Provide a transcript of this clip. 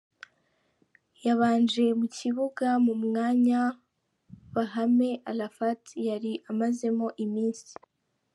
yabanje mu kibuga mu mwanya Bahame Alafat yari amazemo iminsi.